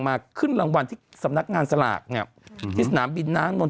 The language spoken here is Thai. ขึ้นรางวัลที่สำนักงานสลากเนี่ยที่สนามบินน้ำนนท